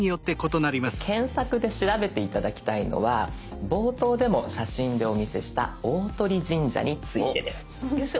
検索で調べて頂きたいのは冒頭でも写真でお見せした大鳥神社についてです。